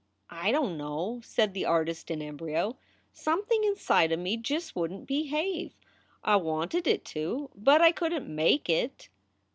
"I don t know," said the artist in embryo. "Some thing inside of me just wouldn t behave. I wanted it to, but I couldn t make it."